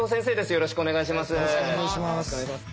よろしくお願いします。